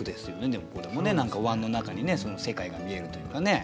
でもこれもね何かおわんの中にその世界が見えるというかね。